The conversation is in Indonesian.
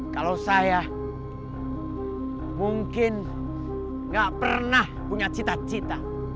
kalau saya mungkin gak pernah punya cita cita